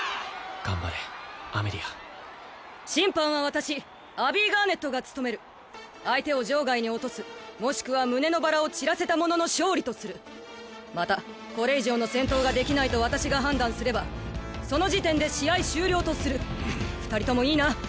頑張れアメリア審判は私アビー＝ガーネットが務める相手を場外に落とすもしくは胸のバラを散らせた者の勝利とするまたこれ以上の戦闘ができないと私が判断すればその時点で試合終了とする二人ともいいな？